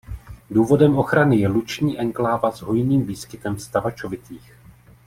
Důvodem ochrany je luční enkláva s hojným výskytem vstavačovitých.